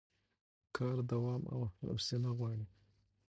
کار دوام او حوصله غواړي